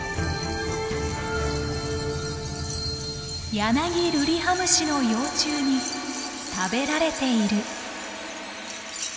「ヤナギルリハムシの幼虫に食べられている」。